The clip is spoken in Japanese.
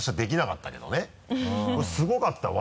すごかった技